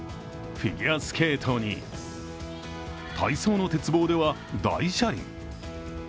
フィギュアスケートに体操の鉄棒では大車輪。